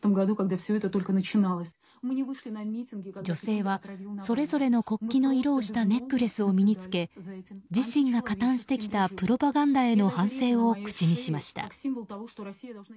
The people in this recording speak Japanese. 女性はそれぞれの国旗の色をしたネックレスを身に着け自身が加担してきたプロパガンダへの反省を口にしました。